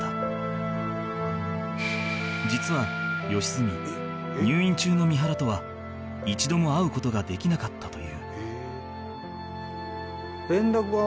実は良純入院中の三原とは一度も会う事ができなかったという